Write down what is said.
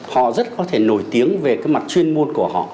họ rất có thể nổi tiếng về cái mặt chuyên môn của họ